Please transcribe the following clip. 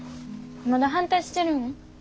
まだ反対してるん？